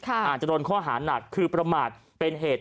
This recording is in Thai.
อาจจะโดนข้อหานักคือประมาทเป็นเหตุ